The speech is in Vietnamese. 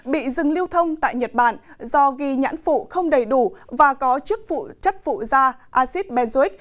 bị dừng lưu thông tại nhật bản do ghi nhãn phụ không đầy đủ và có chất phụ da acid benzoic